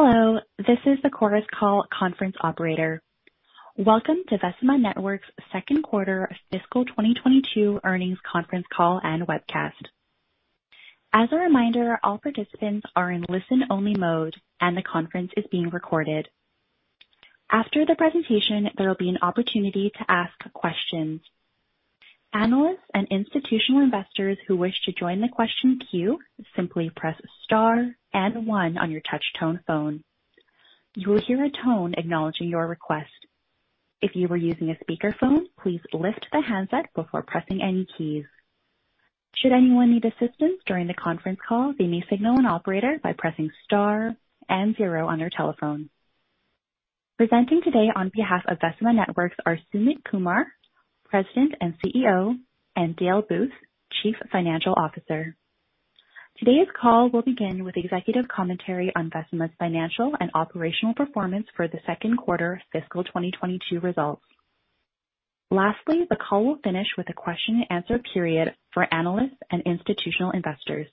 Hello, this is the Chorus Call conference operator. Welcome to Vecima Networks' second quarter fiscal 2022 earnings conference call and webcast. As a reminder, all participants are in listen-only mode and the conference is being recorded. After the presentation, there will be an opportunity to ask questions. Analysts and Institutional Investors who wish to join the question queue, simply press Star and one on your touch-tone phone. You will hear a tone acknowledging your request. If you were using a speakerphone, please lift the handset before pressing any keys. Should anyone need assistance during the conference call, they may signal an operator by pressing Star and zero on their telephone. Presenting today on behalf of Vecima Networks are Sumit Kumar, President and CEO, and Dale Booth, Chief Financial Officer. Today's call will begin with executive commentary on Vecima's financial and operational performance for the second quarter fiscal 2022 results. Lastly, the call will finish with a question and answer period for Analysts and Institutional Investors.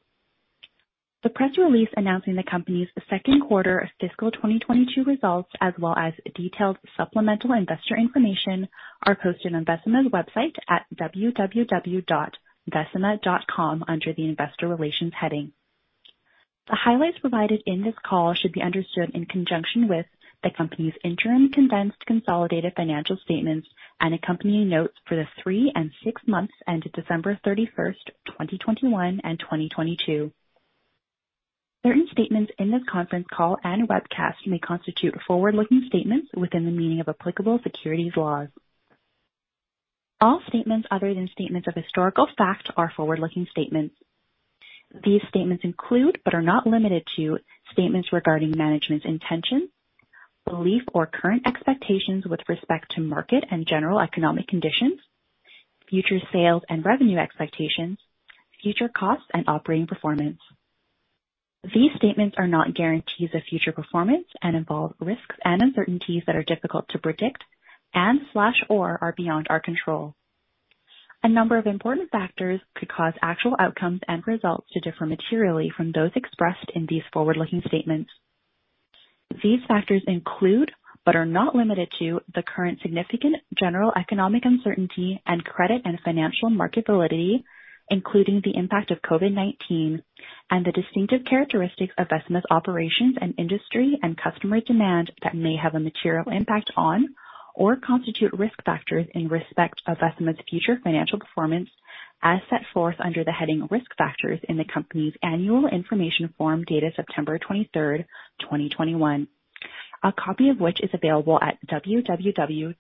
The press release announcing the company's second quarter of fiscal 2022 results, as well as detailed supplemental investor information, are posted on Vecima's website at www.vecima.com under the Investor Relations heading. The highlights provided in this call should be understood in conjunction with the company's interim condensed consolidated financial statements and accompanying notes for the three and six months ended December 31st, 2021 and 2022. Certain statements in this conference call and webcast may constitute forward-looking statements within the meaning of applicable securities laws. All statements other than statements of historical fact are forward-looking statements. These statements include, but are not limited to, statements regarding management's intentions, belief or current expectations with respect to market and general economic conditions, future sales and revenue expectations, future costs and operating performance. These statements are not guarantees of future performance and involve risks and uncertainties that are difficult to predict and/or are beyond our control. A number of important factors could cause actual outcomes and results to differ materially from those expressed in these forward-looking statements. These factors include, but are not limited to, the current significant general economic uncertainty and credit and financial market volatility, including the impact of COVID-19 and the distinctive characteristics of Vecima's operations and industry and customer demand that may have a material impact on or constitute risk factors in respect of Vecima's future financial performance as set forth under the heading Risk Factors in the company's annual information form dated September 23rd, 2021. A copy of which is available at www.sedar.com.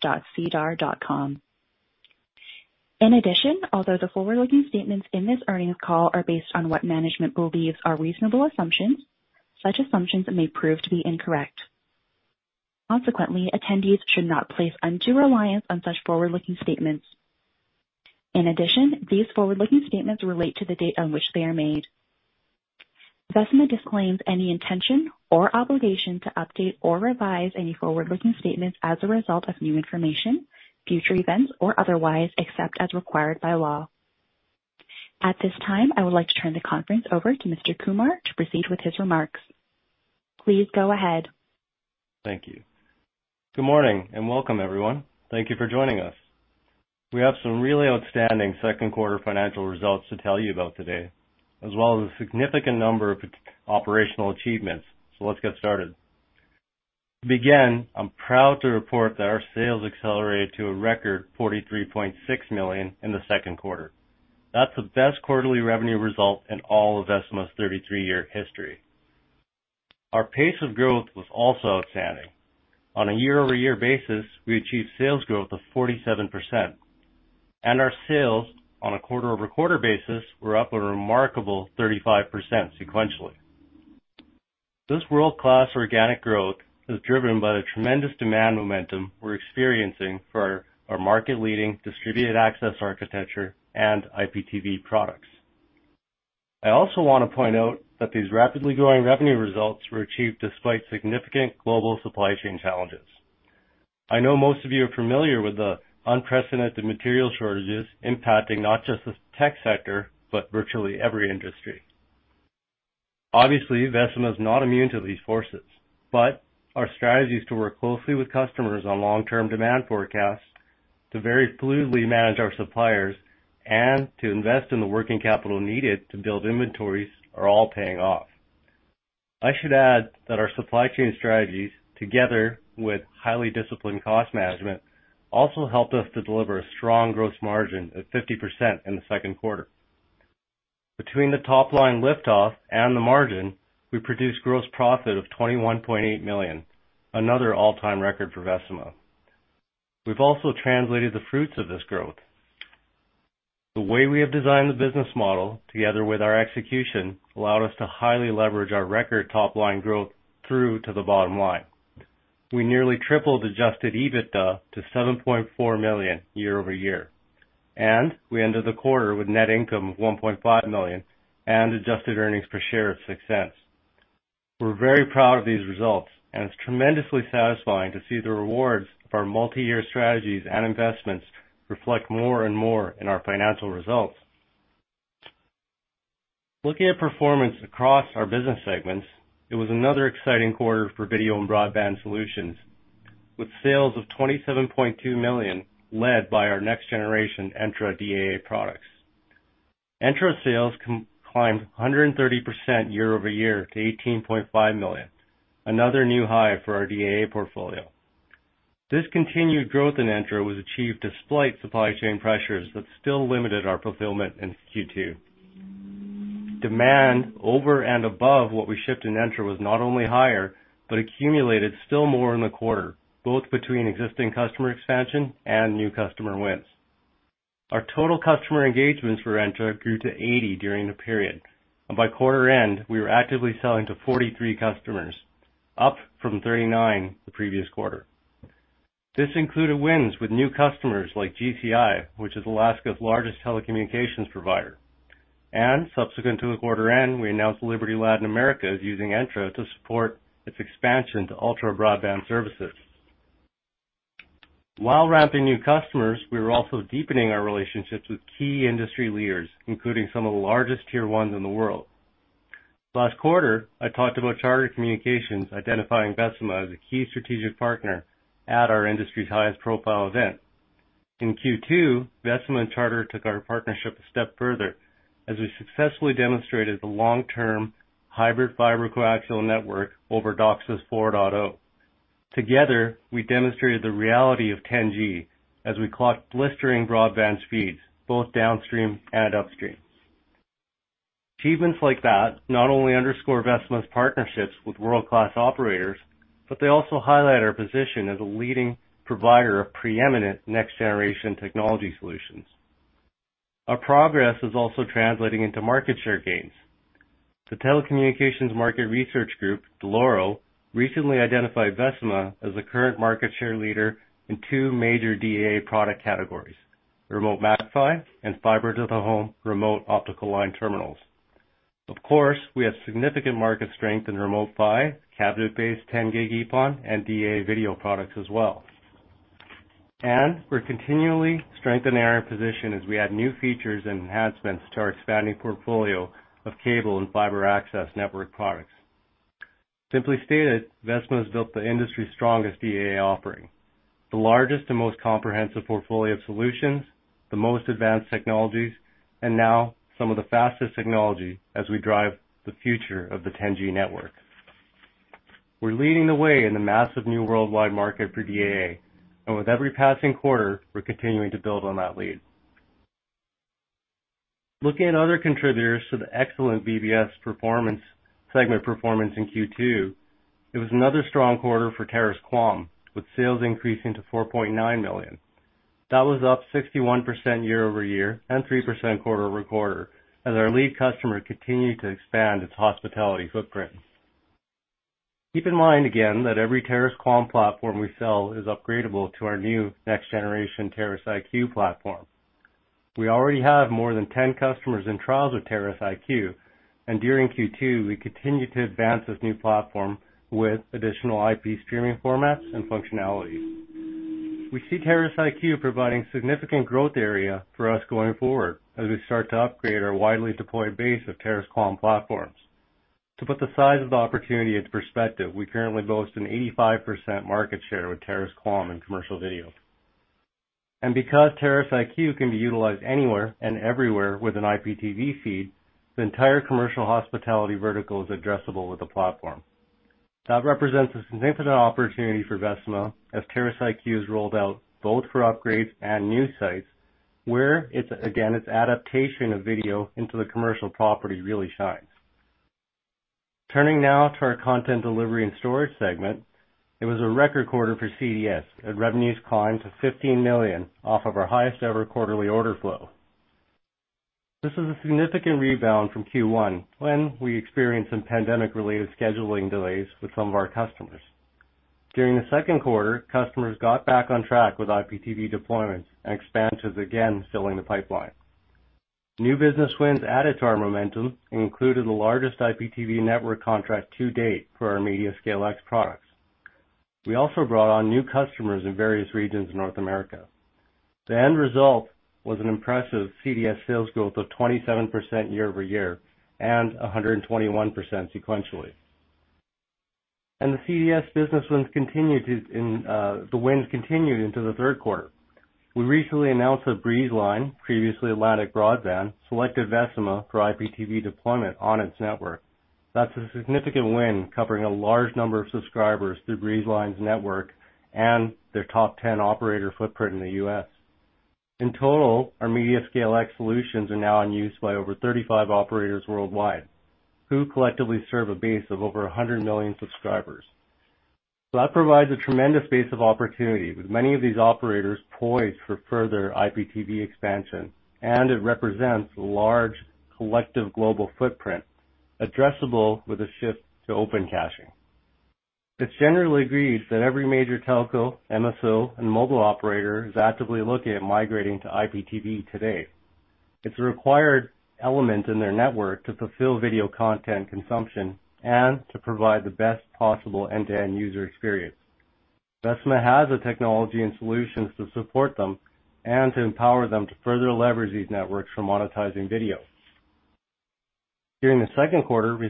In addition, although the forward-looking statements in this earnings call are based on what management believes are reasonable assumptions, such assumptions may prove to be incorrect. Consequently, attendees should not place undue reliance on such forward-looking statements. In addition, these forward-looking statements relate to the date on which they are made. Vecima disclaims any intention or obligation to update or revise any forward-looking statements as a result of new information, future events, or otherwise, except as required by law. At this time, I would like to turn the conference over to Mr. Kumar to proceed with his remarks. Please go ahead. Thank you. Good morning and welcome, everyone. Thank you for joining us. We have some really outstanding second quarter financial results to tell you about today, as well as a significant number of operational achievements. Let's get started. To begin, I'm proud to report that our sales accelerated to a record 43.6 million in the second quarter. That's the best quarterly revenue result in all of Vecima's 33-year history. Our pace of growth was also outstanding. On a year-over-year basis, we achieved sales growth of 47%, and our sales on a quarter-over-quarter basis were up a remarkable 35% sequentially. This world-class organic growth is driven by the tremendous demand momentum we're experiencing for our market-leading distributed access architecture and IPTV products. I also want to point out that these rapidly growing revenue results were achieved despite significant global supply chain challenges. I know most of you are familiar with the unprecedented material shortages impacting not just the tech sector, but virtually every industry. Obviously, Vecima is not immune to these forces, but our strategies to work closely with customers on long-term demand forecasts to very fluidly manage our suppliers and to invest in the working capital needed to build inventories are all paying off. I should add that our supply chain strategies, together with highly disciplined cost management, also helped us to deliver a strong gross margin of 50% in the second quarter. Between the top line lift off and the margin, we produced gross profit of 21.8 million, another all-time record for Vecima. We've also translated the fruits of this growth. The way we have designed the business model, together with our execution, allowed us to highly leverage our record top line growth through to the bottom line. We nearly tripled adjusted EBITDA to 7.4 million year-over-year, and we ended the quarter with net income of 1.5 million and adjusted earnings per share of 0.06. We're very proud of these results, and it's tremendously satisfying to see the rewards of our multi-year strategies and investments reflect more and more in our financial results. Looking at performance across our business segments, it was another exciting quarter for video and broadband solutions, with sales of 27.2 million, led by our next generation Entra DAA products. Entra sales climbed 130% year-over-year to 18.5 million, another new high for our DAA portfolio. This continued growth in Entra was achieved despite supply chain pressures that still limited our fulfillment in Q2. Demand over and above what we shipped in Entra was not only higher, but accumulated still more in the quarter, both between existing customer expansion and new customer wins. Our total customer engagements for Entra grew to 80 during the period, and by quarter end, we were actively selling to 43 customers, up from 39 the previous quarter. This included wins with new customers like GCI, which is Alaska's largest telecommunications provider. Subsequent to the quarter end, we announced Liberty Latin America is using Entra to support its expansion to ultra broadband services. While ramping new customers, we were also deepening our relationships with key industry leaders, including some of the largest tier ones in the world. Last quarter, I talked about Charter Communications identifying Vecima as a key strategic partner at our industry's highest profile event. In Q2, Vecima and Charter took our partnership a step further as we successfully demonstrated the long-term hybrid fiber coaxial network over DOCSIS 4.0. Together, we demonstrated the reality of 10G as we clocked blistering broadband speeds, both downstream and upstream. Achievements like that not only underscore Vecima's partnerships with world-class operators, but they also highlight our position as a leading provider of preeminent next-generation technology solutions. Our progress is also translating into market share gains. The telecommunications market research group, Dell'Oro Group, recently identified Vecima as a current market share leader in two major DAA product categories, Remote MAC-PHY and fiber to the home remote optical line terminals. Of course, we have significant market strength in Remote PHY, cabinet-based 10G-EPON and DAA video products as well. We're continually strengthening our position as we add new features and enhancements to our expanding portfolio of cable and fiber access network products. Simply stated, Vecima has built the industry's strongest DAA offering, the largest and most comprehensive portfolio of solutions, the most advanced technologies, and now some of the fastest technology as we drive the future of the 10G network. We're leading the way in the massive new worldwide market for DAA, and with every passing quarter, we're continuing to build on that lead. Looking at other contributors to the excellent VBS performance, segment performance in Q2, it was another strong quarter for Terrace QAM, with sales increasing to 4.9 million. That was up 61% year-over-year and 3% quarter-over-quarter as our lead customer continued to expand its hospitality footprint. Keep in mind again that every Terrace QAM platform we sell is upgradable to our new next-generation Terrace IQ platform. We already have more than 10 customers in trials with Terrace IQ, and during Q2, we continued to advance this new platform with additional IP streaming formats and functionality. We see Terrace IQ providing significant growth area for us going forward as we start to upgrade our widely deployed base of Terrace QAM platforms. To put the size of the opportunity into perspective, we currently boast an 85% market share with Terrace QAM in commercial video. Because Terrace IQ can be utilized anywhere and everywhere with an IPTV feed, the entire commercial hospitality vertical is addressable with the platform. That represents a significant opportunity for Vecima as Terrace IQ is rolled out both for upgrades and new sites, where it's again, its adaptation of video into the commercial property really shines. Turning now to our content delivery and storage segment, it was a record quarter for CDS as revenues climbed to 15 million off of our highest ever quarterly order flow. This is a significant rebound from Q1 when we experienced some pandemic-related scheduling delays with some of our customers. During the second quarter, customers got back on track with IPTV deployments and expansions again filling the pipeline. New business wins added to our momentum and included the largest IPTV network contract to date for our MediaScaleX products. We also brought on new customers in various regions of North America. The end result was an impressive CDS sales growth of 27% year-over-year and 121% sequentially. The CDS business wins continued into the third quarter. We recently announced that Breezeline, previously Atlantic Broadband, selected Vecima for IPTV deployment on its network. That's a significant win, covering a large number of subscribers through Breezeline's network and their top ten operator footprint in the U.S. In total, our MediaScaleX solutions are now in use by over 35 operators worldwide who collectively serve a base of over 100 million subscribers. That provides a tremendous base of opportunity with many of these operators poised for further IPTV expansion, and it represents a large collective global footprint addressable with a shift to Open Caching. It's generally agreed that every major telco, MSO, and mobile operator is actively looking at migrating to IPTV today. It's a required element in their network to fulfill video content consumption and to provide the best possible end-to-end user experience. Vecima has the technology and solutions to support them and to empower them to further leverage these networks for monetizing video. During the second quarter, we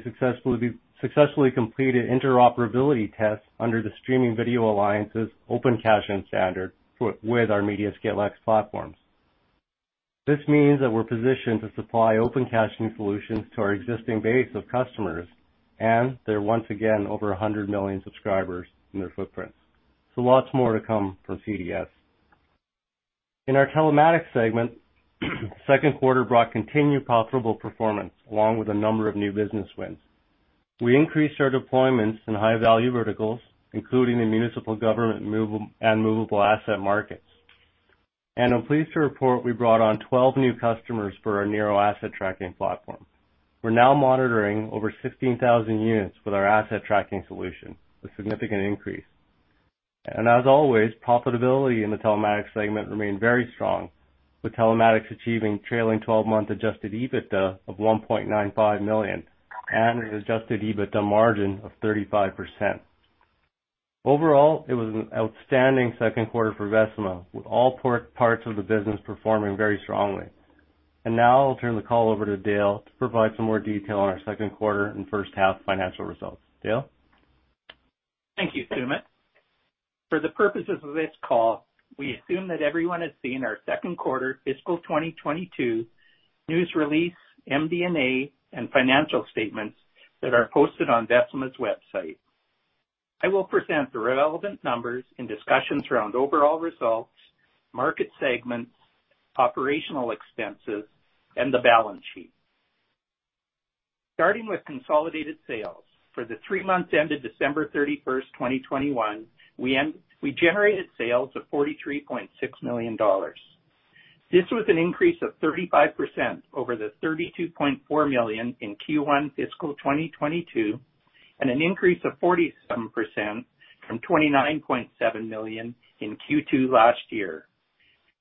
successfully completed interoperability tests under the Streaming Video Alliance's open caching standard with our MediaScaleX platforms. This means that we're positioned to supply open caching solutions to our existing base of customers and their, once again, over 100 million subscribers in their footprints. Lots more to come from CDS. In our telematics segment, second quarter brought continued profitable performance along with a number of new business wins. We increased our deployments in high-value verticals, including the municipal government movable asset markets. I'm pleased to report we brought on 12 new customers for our Nero asset tracking platform. We're now monitoring over 16,000 units with our asset tracking solution, a significant increase. As always, profitability in the telematics segment remained very strong, with telematics achieving trailing twelve-month adjusted EBITDA of 1.95 million and an adjusted EBITDA margin of 35%. Overall, it was an outstanding second quarter for Vecima, with all parts of the business performing very strongly. Now I'll turn the call over to Dale to provide some more detail on our second quarter and first half financial results. Dale? Thank you, Sumit. For the purposes of this call, we assume that everyone has seen our Q2 fiscal 2022 news release, MD&A, and financial statements that are posted on Vecima's website. I will present the relevant numbers and discussions around overall results, market segments, operational expenses, and the balance sheet. Starting with consolidated sales. For the three months ended December 31st, 2021, we generated sales of 43.6 million dollars. This was an increase of 35% over the 32.4 million in Q1 fiscal 2022, and an increase of 47% from 29.7 million in Q2 last year.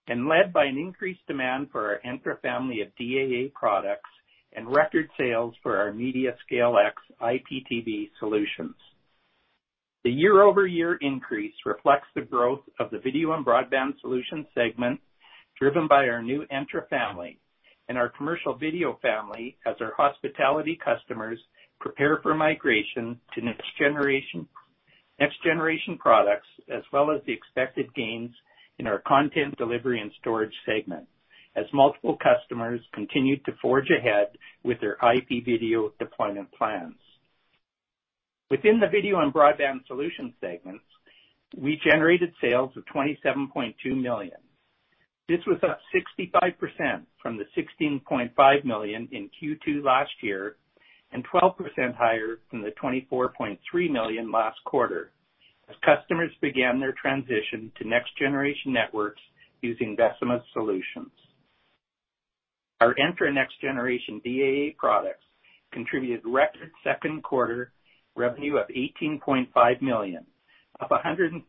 Led by an increased demand for our Entra family of DAA products and record sales for our MediaScaleX IPTV solutions. The year-over-year increase reflects the growth of the video and broadband solutions segment, driven by our new Entra family and our commercial video family as our hospitality customers prepare for migration to next generation products, as well as the expected gains in our content delivery and storage segment as multiple customers continued to forge ahead with their IP video deployment plans. Within the video and broadband solutions segments, we generated sales of 27.2 million. This was up 65% from the 16.5 million in Q2 last year and 12% higher than the 24.3 million last quarter as customers began their transition to next-generation networks using Vecima's solutions. Our Entra next-generation DAA products contributed record second quarter revenue of 18.5 million, up 130%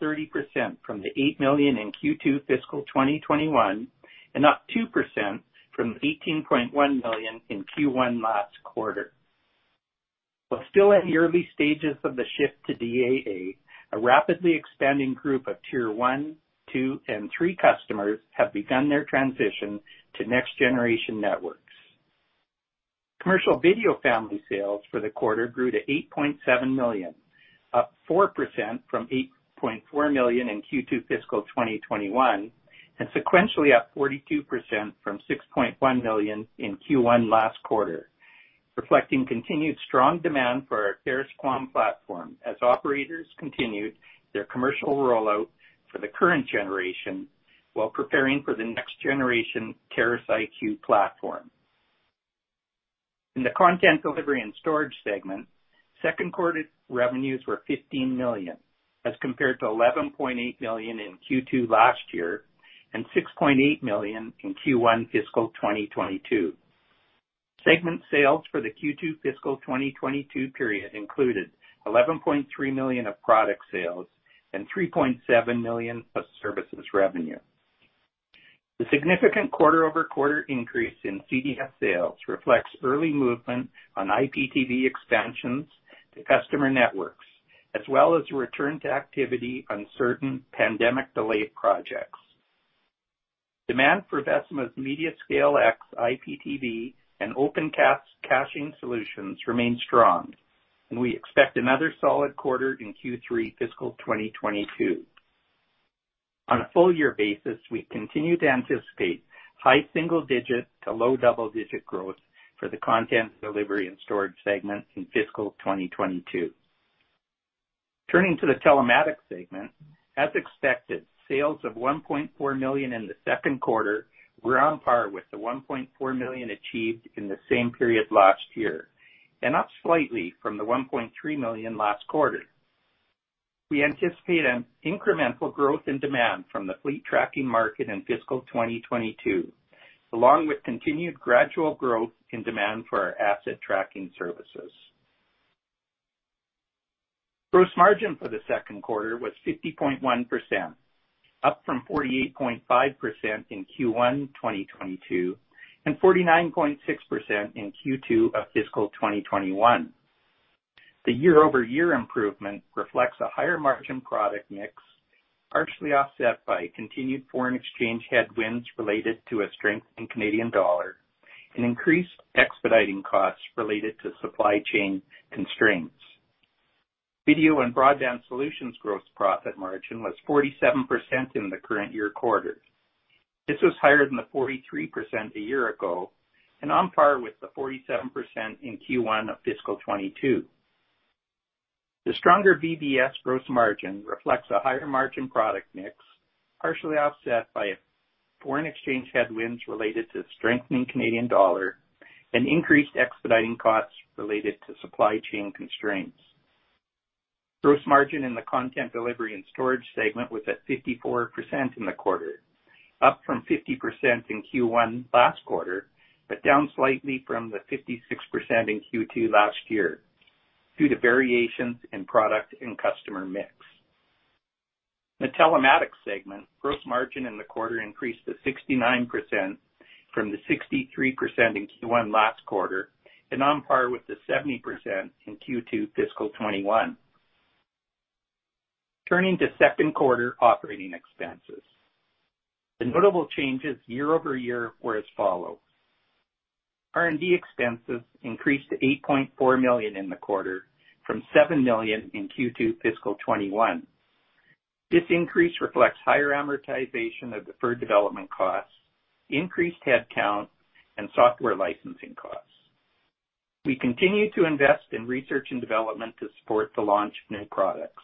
from the 8 million in Q2 fiscal 2021, and up 2% from 18.1 million in Q1 last quarter. While still at the early stages of the shift to DAA, a rapidly expanding group of tier one, two, and three customers have begun their transition to next-generation networks. Commercial video family sales for the quarter grew to 8.7 million, up 4% from 8.4 million in Q2 fiscal 2021, and sequentially up 42% from 6.1 million in Q1 last quarter, reflecting continued strong demand for our Terrace QAM platform as operators continued their commercial rollout for the current generation while preparing for the next generation Terrace IQ platform. In the Content Delivery and Storage segment, second quarter revenues were 15 million, as compared to 11.8 million in Q2 last year and 6.8 million in Q1 fiscal 2022. Segment sales for the Q2 fiscal 2022 period included 11.3 million of product sales and 3.7 million of services revenue. The significant quarter-over-quarter increase in CDS sales reflects early movement on IPTV expansions to customer networks, as well as a return to activity on certain pandemic delayed projects. Demand for Vecima's MediaScaleX IPTV and Open Caching solutions remain strong, and we expect another solid quarter in Q3 fiscal 2022. On a full year basis, we continue to anticipate high single-digit% to low double-digit% growth for the Content Delivery and Storage segment in fiscal 2022. Turning to the telematics segment. As expected, sales of 1.4 million in the second quarter were on par with the 1.4 million achieved in the same period last year, and up slightly from the 1.3 million last quarter. We anticipate an incremental growth in demand from the fleet tracking market in fiscal 2022, along with continued gradual growth in demand for our asset tracking services. Gross margin for the second quarter was 50.1%. Up from 48.5% in Q1 2022, and 49.6% in Q2 of fiscal 2021. The year-over-year improvement reflects a higher margin product mix, partially offset by continued foreign exchange headwinds related to a strength in Canadian dollar and increased expediting costs related to supply chain constraints. Video and Broadband Solutions gross profit margin was 47% in the current year quarter. This was higher than the 43% a year ago, and on par with the 47% in Q1 of fiscal 2022. The stronger VBS gross margin reflects a higher margin product mix, partially offset by foreign exchange headwinds related to the strengthening Canadian dollar and increased expediting costs related to supply chain constraints. Gross margin in the Content Delivery and Storage segment was at 54% in the quarter, up from 50% in Q1 last quarter, but down slightly from the 56% in Q2 last year, due to variations in product and customer mix. The Telematics segment gross margin in the quarter increased to 69% from the 63% in Q1 last quarter, and on par with the 70% in Q2 fiscal 2021. Turning to second quarter operating expenses. The notable changes year-over-year were as follows. R&D expenses increased to 8.4 million in the quarter, from 7 million in Q2 fiscal 2021. This increase reflects higher amortization of deferred development costs, increased headcount, and software licensing costs. We continue to invest in research and development to support the launch of new products.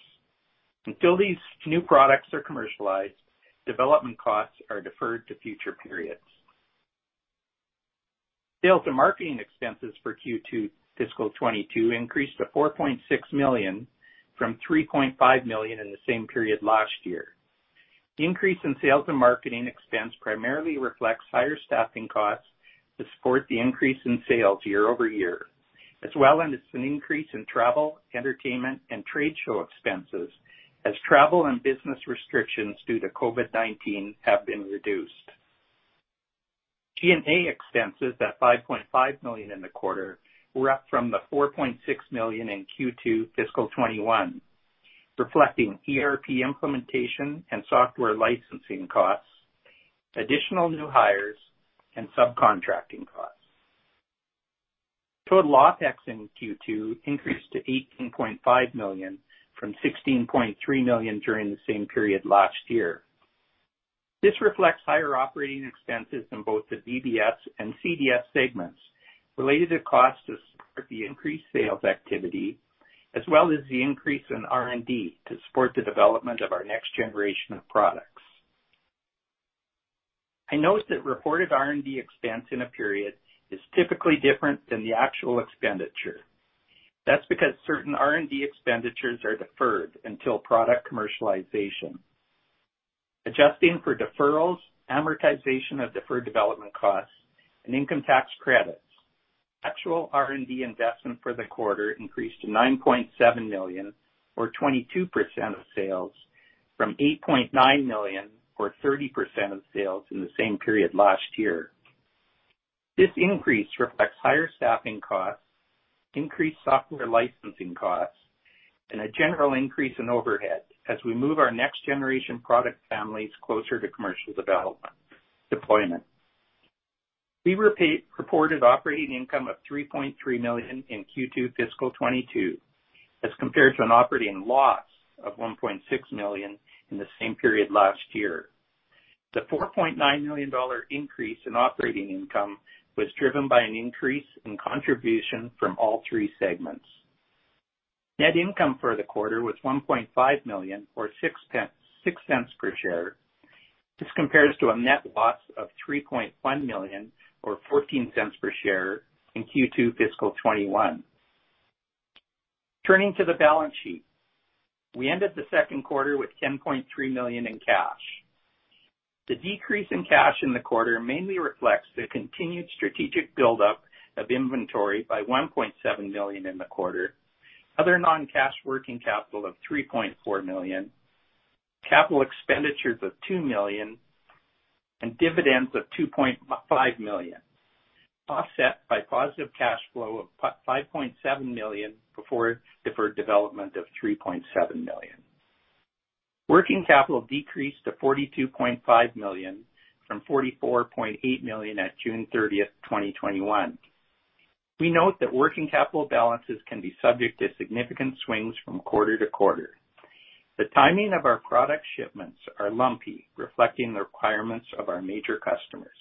Until these new products are commercialized, development costs are deferred to future periods. Sales and marketing expenses for Q2 fiscal 2022 increased to 4.6 million, from 3.5 million in the same period last year. The increase in sales and marketing expense primarily reflects higher staffing costs to support the increase in sales year-over-year, as well as an increase in travel, entertainment, and trade show expenses, as travel and business restrictions due to COVID-19 have been reduced. G&A expenses at 5.5 million in the quarter were up from 4.6 million in Q2 fiscal 2021, reflecting ERP implementation and software licensing costs, additional new hires, and subcontracting costs. Total OpEx in Q2 increased to 18.5 million, from 16.3 million during the same period last year. This reflects higher operating expenses in both the VBS and CDS segments, related to costs to support the increased sales activity, as well as the increase in R&D to support the development of our next generation of products. I noticed that reported R&D expense in a period is typically different than the actual expenditure. That's because certain R&D expenditures are deferred until product commercialization. Adjusting for deferrals, amortization of deferred development costs, and income tax credits, actual R&D investment for the quarter increased to 9.7 million or 22% of sales, from 8.9 million or 30% of sales in the same period last year. This increase reflects higher staffing costs, increased software licensing costs, and a general increase in overhead as we move our next generation product families closer to commercial development deployment. We reported operating income of 3.3 million in Q2 fiscal 2022, as compared to an operating loss of 1.6 million in the same period last year. The 4.9 million dollar increase in operating income was driven by an increase in contribution from all three segments. Net income for the quarter was 1.5 million or 0.066 per share. This compares to a net loss of 3.1 million or 0.14 per share in Q2 fiscal 2021. Turning to the balance sheet. We ended the second quarter with 10.3 million in cash. The decrease in cash in the quarter mainly reflects the continued strategic buildup of inventory by 1.7 million in the quarter. Other non-cash working capital of 3.4 million, capital expenditures of 2 million, and dividends of 2.5 million, offset by positive cash flow of 5.7 million before deferred development of 3.7 million. Working capital decreased to 42.5 million from 44.8 million at June 30th, 2021. We note that working capital balances can be subject to significant swings from quarter to quarter. The timing of our product shipments are lumpy, reflecting the requirements of our major customers.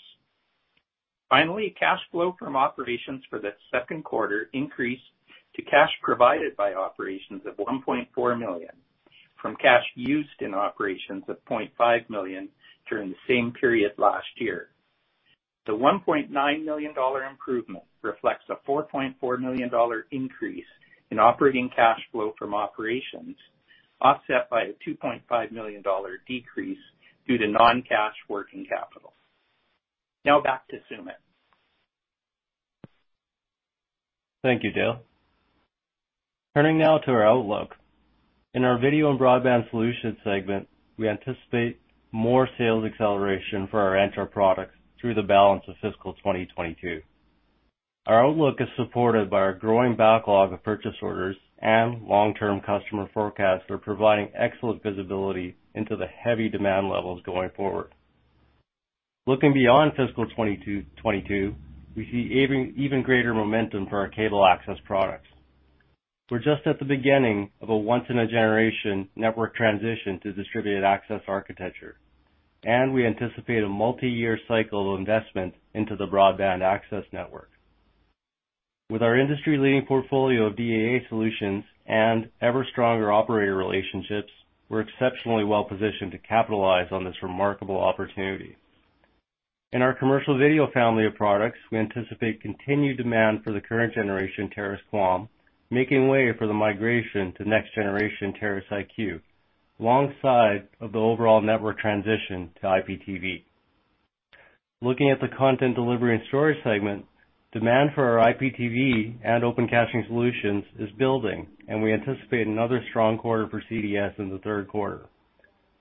Finally, cash flow from operations for the second quarter increased to cash provided by operations of 1.4 million, from cash used in operations of 0.5 million during the same period last year. The 1.9 million dollar improvement reflects a 4.4 million dollar increase in operating cash flow from operations, offset by a 2.5 million dollar decrease due to non-cash working capital. Now back to Sumit. Thank you, Dale. Turning now to our outlook. In our Video and Broadband Solutions segment, we anticipate more sales acceleration for our Entra products through the balance of fiscal 2022. Our outlook is supported by our growing backlog of purchase orders and long-term customer forecasts are providing excellent visibility into the heavy demand levels going forward. Looking beyond fiscal 2022, we see even greater momentum for our cable access products. We're just at the beginning of a once in a generation network transition to distributed access architecture, and we anticipate a multi-year cycle of investment into the broadband access network. With our industry-leading portfolio of DAA solutions and ever stronger operator relationships, we're exceptionally well positioned to capitalize on this remarkable opportunity. In our commercial video family of products, we anticipate continued demand for the current generation Terrace QAM, making way for the migration to next generation Terrace IQ, alongside of the overall network transition to IPTV. Looking at the content delivery and storage segment, demand for our IPTV and Open Caching solutions is building, and we anticipate another strong quarter for CDS in the third quarter.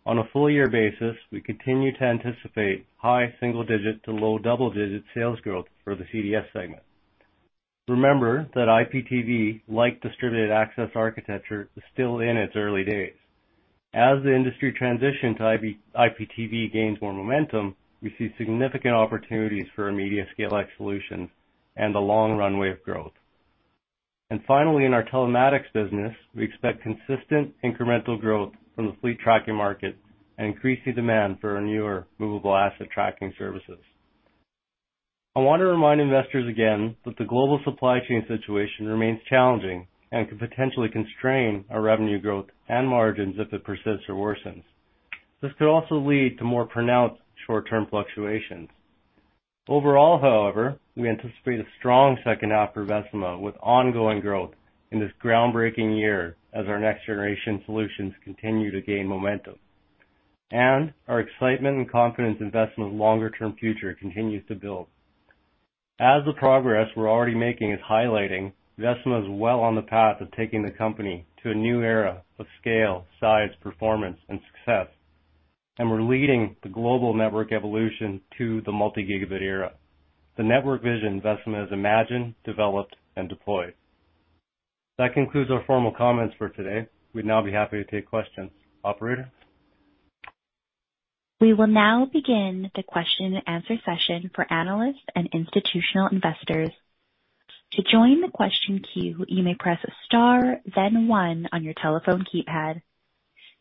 On a full year basis, we continue to anticipate high single digit to low double digit sales growth for the CDS segment. Remember that IPTV, like distributed access architecture, is still in its early days. As the industry transition to IP-IPTV gains more momentum, we see significant opportunities for our MediaScaleX solutions and a long runway of growth. Finally, in our telematics business, we expect consistent incremental growth from the fleet tracking market and increasing demand for our newer movable asset tracking services. I want to remind investors again that the global supply chain situation remains challenging and could potentially constrain our revenue growth and margins if it persists or worsens. This could also lead to more pronounced short-term fluctuations. Overall, however, we anticipate a strong second half for Vecima, with ongoing growth in this groundbreaking year as our next generation solutions continue to gain momentum. Our excitement and confidence in Vecima's longer-term future continues to build. As the progress we're already making is highlighting, Vecima is well on the path of taking the company to a new era of scale, size, performance, and success. We're leading the global network evolution to the multi-gigabit era, the network vision Vecima has imagined, developed, and deployed. That concludes our formal comments for today. We'd now be happy to take questions. Operator? We will now begin the question and answer session for Analysts and Institutional Investors. To join the question queue, you may press star, then one on your telephone keypad.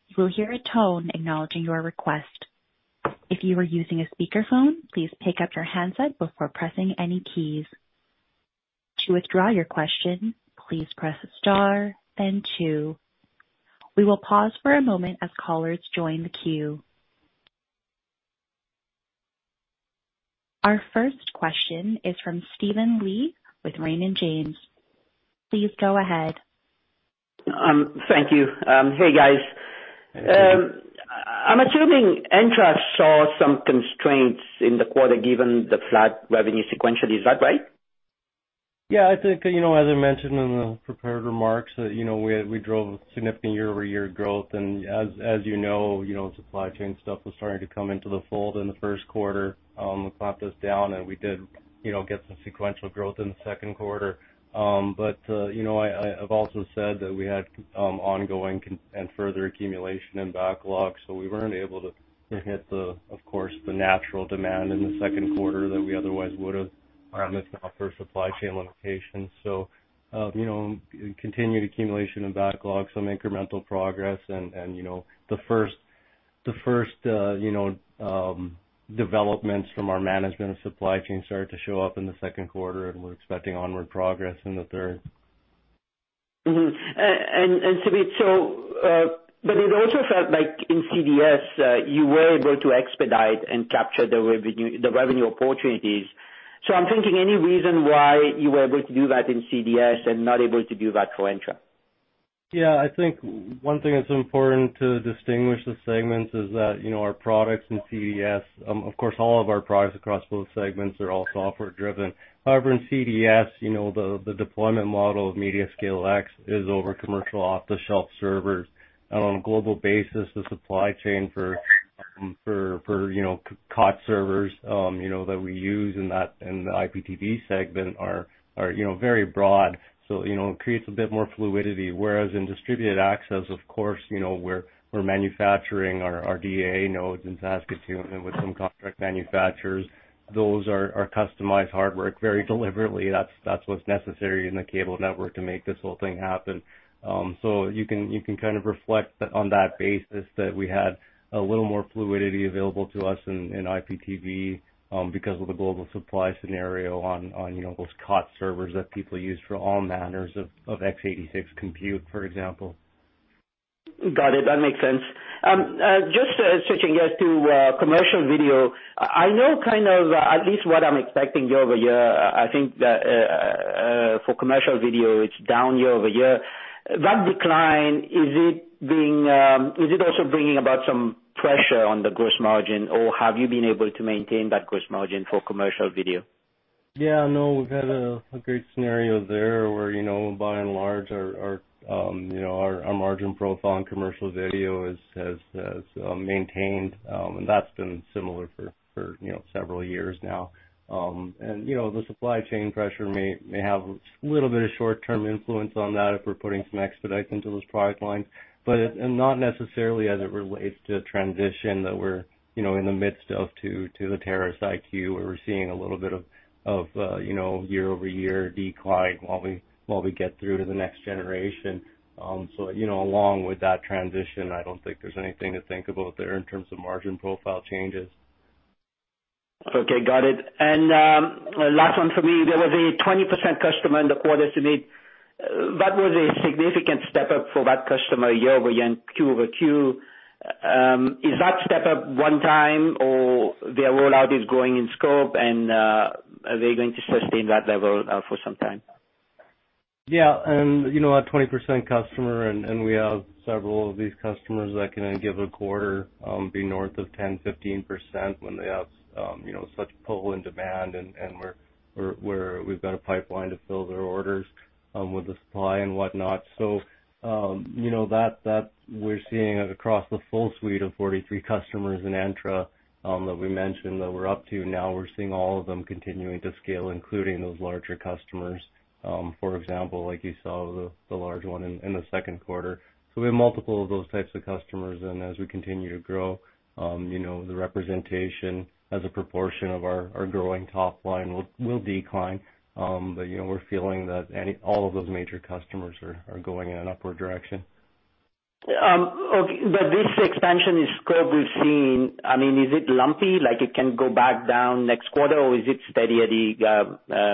You will hear a tone acknowledging your request. If you are using a speakerphone, please pick up your handset before pressing any keys. To withdraw your question, please press star, then two. We will pause for a moment as callers join the queue. Our first question is from Steven Lee with Raymond James. Please go ahead. Thank you. Hey, guys. Hey. I'm assuming Entra saw some constraints in the quarter given the flat revenue sequentially. Is that right? Yeah, I think, you know, as I mentioned in the prepared remarks, you know, we drove significant year-over-year growth. As you know, supply chain stuff was starting to come into the fold in the first quarter. It slapped us down and we did, you know, get some sequential growth in the second quarter. You know, I've also said that we had ongoing and further accumulation in backlog, so we weren't able to hit, of course, the natural demand in the second quarter that we otherwise would have amidst our first supply chain limitations. you know, continued accumulation and backlog, some incremental progress and you know, the first you know, developments from our management of supply chain started to show up in the second quarter and we're expecting onward progress in the third. It also felt like in CDS, you were able to expedite and capture the revenue opportunities. I'm thinking, any reason why you were able to do that in CDS and not able to do that for Entra? Yeah. I think one thing that's important to distinguish the segments is that, you know, our products in CDS, of course, all of our products across both segments are all software driven. However, in CDS, you know, the deployment model of MediaScaleX is over commercial off-the-shelf servers. On a global basis, the supply chain for COTS servers, you know, that we use in the IPTV segment are, you know, very broad. It creates a bit more fluidity. Whereas in distributed access, of course, you know, we're manufacturing our DAA nodes in Saskatoon and with some contract manufacturers. Those are our customized hardware. Very deliberately, that's what's necessary in the cable network to make this whole thing happen. You can kind of reflect on that basis that we had a little more fluidity available to us in IPTV because of the global supply scenario on, you know, those COTS servers that people use for all manners of X86 compute, for example. Got it. That makes sense. Just switching gears to commercial video. I know kind of at least what I'm expecting year-over-year. I think that for commercial video, it's down year-over-year. That decline, is it also bringing about some pressure on the gross margin, or have you been able to maintain that gross margin for commercial video? Yeah, no, we've had a great scenario there where, you know, by and large our margin profile and commercial video has maintained, and that's been similar for you know, several years now. You know, the supply chain pressure may have a little bit of short-term influence on that if we're putting some expedites into those product lines. But not necessarily as it relates to the transition that we're you know, in the midst of to the Terrace IQ, where we're seeing a little bit of you know, year-over-year decline while we get through to the next generation. You know, along with that transition, I don't think there's anything to think about there in terms of margin profile changes. Okay, got it. Last one for me, there was a 20% customer in the quarter, Sumit. That was a significant step up for that customer year-over-year and quarter-over-quarter. Is that step up one time, or their rollout is growing in scope and are they going to sustain that level for some time? Yeah. You know, a 20% customer and we have several of these customers that can on a given quarter be north of 10, 15% when they have you know, such pull and demand and we've got a pipeline to fill their orders with the supply and whatnot. You know, that we're seeing it across the full suite of 43 customers in Entra that we mentioned that we're up to now. We're seeing all of them continuing to scale, including those larger customers, for example, like you saw the large one in the second quarter. We have multiple of those types of customers. As we continue to grow you know, the representation as a proportion of our growing top line will decline. You know, we're feeling that all of those major customers are going in an upward direction. Okay. This expansion scope we've seen, I mean, is it lumpy like it can go back down next quarter, or is it steady,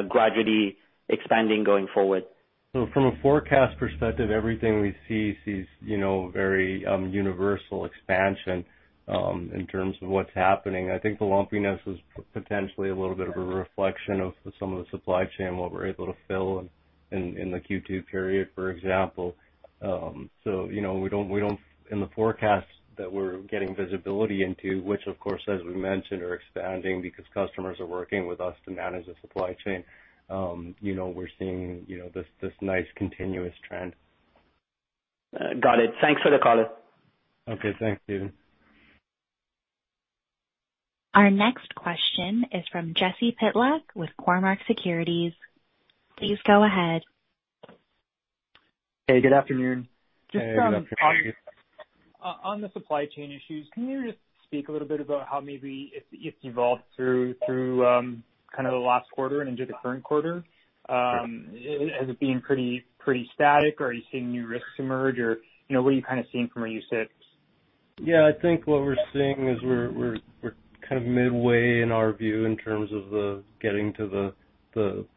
gradually expanding going forward? From a forecast perspective, everything we see, you know, very universal expansion in terms of what's happening. I think the lumpiness is potentially a little bit of a reflection of some of the supply chain, what we're able to fill in in the Q2 period, for example. You know, we don't in the forecast that we're getting visibility into which of course as we mentioned are expanding because customers are working with us to manage the supply chain. You know, we're seeing, you know, this nice continuous trend. Got it. Thanks for the color. Okay. Thanks, Steven. Our next question is from Jesse Pytlak with Cormark Securities. Please go ahead. Hey, good afternoon. Hey, good afternoon. Just on the supply chain issues, can you just speak a little bit about how maybe it's evolved through kind of the last quarter and into the current quarter? Has it been pretty static or are you seeing new risks emerge? Or, you know, what are you kinda seeing from where you sit? Yeah, I think what we're seeing is we're kind of midway in our view in terms of the getting to the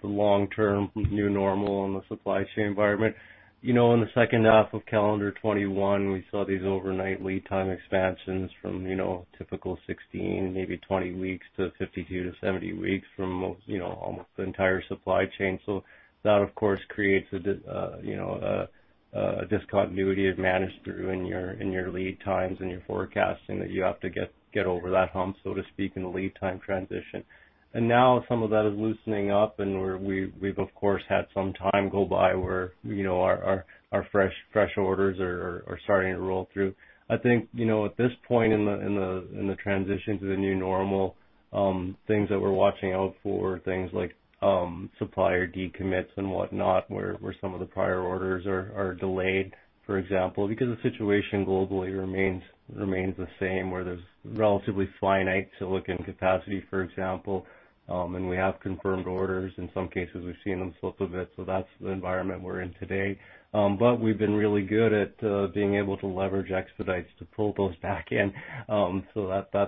long-term new normal in the supply chain environment. You know, in the second half of calendar 2021, we saw these overnight lead time expansions from, you know, typical 16, maybe 20 weeks to 52 to 70 weeks from most, you know, almost the entire supply chain. That of course creates a discontinuity to manage through in your lead times and your forecasting that you have to get over that hump, so to speak, in the lead time transition. Now some of that is loosening up and we've of course had some time go by where, you know, our fresh orders are starting to roll through. I think, you know, at this point in the transition to the new normal, things that we're watching out for are things like supplier decommits and whatnot, where some of the prior orders are delayed, for example, because the situation globally remains the same, where there's relatively finite silicon capacity, for example. We have confirmed orders. In some cases, we've seen them slip a bit. That's the environment we're in today. We've been really good at being able to leverage expedites to pull those back in. That's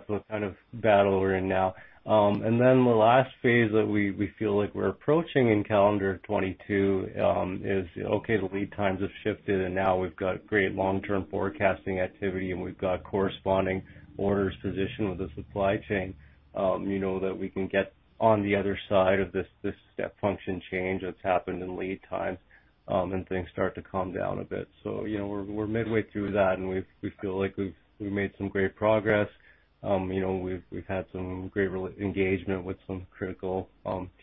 the kind of battle we're in now. The last phase that we feel like we're approaching in calendar 2022 is the lead times have shifted and now we've got great long-term forecasting activity, and we've got corresponding orders positioned with the supply chain, you know, that we can get on the other side of this step function change that's happened in lead times, and things start to calm down a bit. You know, we're midway through that, and we feel like we've made some great progress. You know, we've had some great engagement with some critical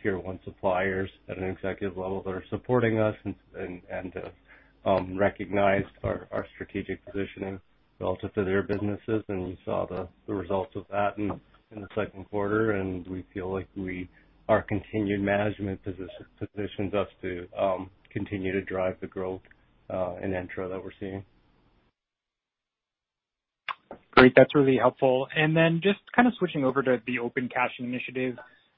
tier one suppliers at an executive level that are supporting us and recognized our strategic positioning relative to their businesses, and we saw the results of that in the second quarter, and we feel like our continued management positions us to continue to drive the growth in Entra that we're seeing. Great. That's really helpful. Then just kind of switching over to the Open Caching initiative.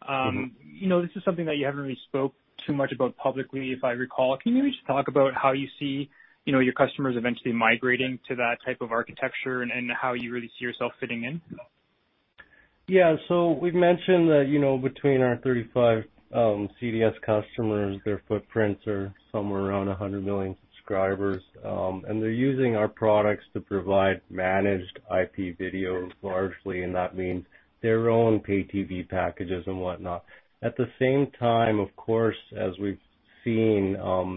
Mm-hmm. You know, this is something that you haven't really spoke too much about publicly, if I recall. Can you just talk about how you see, you know, your customers eventually migrating to that type of architecture and how you really see yourself fitting in? Yeah. We've mentioned that, you know, between our 35 CDS customers, their footprints are somewhere around 100 million subscribers. They're using our products to provide managed IP videos largely, and that means their own pay TV packages and whatnot. At the same time, of course, as we've seen,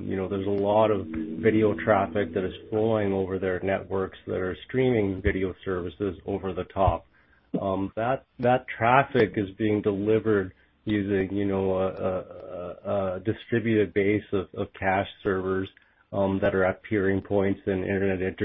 you know, there's a lot of video traffic that is flowing over their networks that are streaming video services over the top. That traffic is being delivered using, you know, a distributed base of cache servers that are at peering points and Internet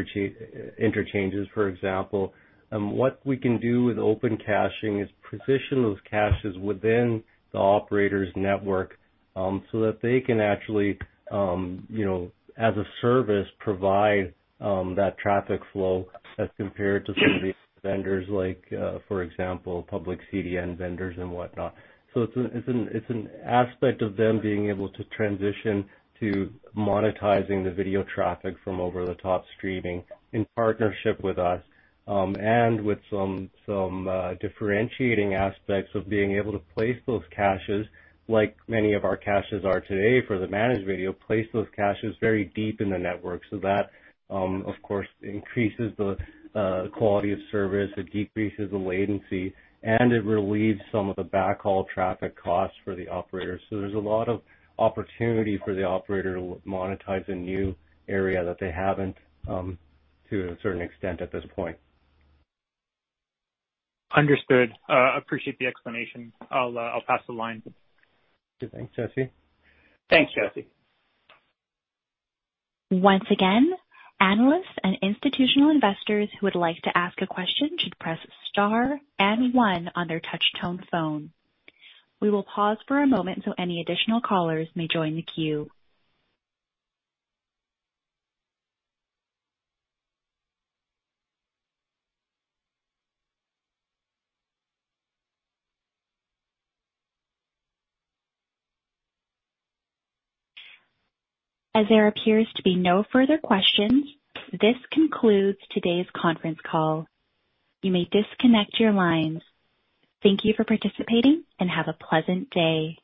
exchanges, for example. What we can do with Open Caching is position those caches within the operator's network, so that they can actually, you know, as a service, provide that traffic flow as compared to some of these vendors like, for example, public CDN vendors and whatnot. It's an aspect of them being able to transition to monetizing the video traffic from over-the-top streaming in partnership with us, and with some differentiating aspects of being able to place those caches like many of our caches are today for the managed video, place those caches very deep in the network. That, of course, increases the quality of service, it decreases the latency, and it relieves some of the backhaul traffic costs for the operators. There's a lot of opportunity for the operator to monetize a new area that they haven't, to a certain extent at this point. Understood. Appreciate the explanation. I'll pass the line. Good. Thanks, Jesse. Thanks, Jesse. Once again, Analysts and Institutional Investors who would like to ask a question should press star and one on their touch-tone phone. We will pause for a moment so any additional callers may join the queue. As there appears to be no further questions, this concludes today's conference call. You may disconnect your lines. Thank you for participating, and have a pleasant day.